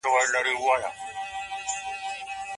په موږکانو کې کیمیاوي مواد زیات شول.